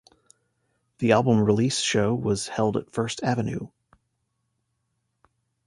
The album release show was held at First Avenue.